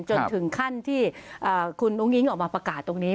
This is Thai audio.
จนถึงขั้นที่คุณอุ้งอิ๊งออกมาประกาศตรงนี้